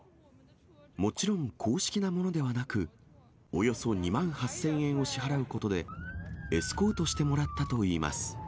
もちろん公式なものではなく、およそ２万８０００円を支払うことで、エスコートしてもらったといいます。